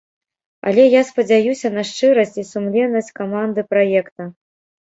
Але я спадзяюся на шчырасць і сумленнасць каманды праекта.